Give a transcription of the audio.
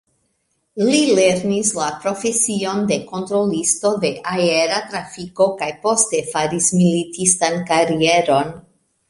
Li lernis la profesion de kontrolisto de aera trafiko kaj poste faris militistan karieron.